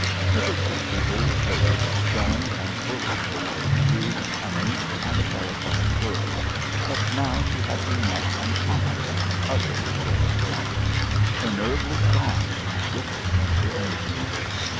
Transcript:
Hitherto the old lady had stormed and bullied her way through a meek and terrified world; but now she had been met and conquered and utterly overthrown. Her nerve was gone, and with it went her influence.